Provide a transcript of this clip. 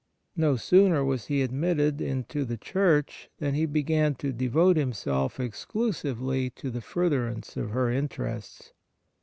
No sooner was he admitted into the Church than he began to devote himself exclusively to the furtherance of her interests.